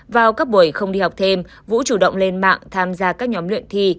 vào các buổi không đi học thêm vũ chủ động lên mạng tham gia các nhóm luyện thi